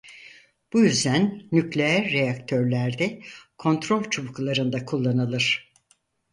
Bu yüzden nükleer reaktörlerde kontrol çubuklarında kullanılır.